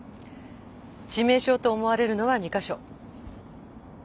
致命傷と思われるのは２か所。